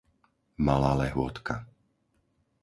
Malá Lehôtka